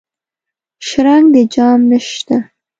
شرنګ د جام نشته